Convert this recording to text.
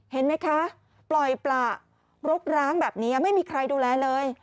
เห็นไหมคะปล่อยประรกร้างแบบนี้ไม่มีใครดูแลเลย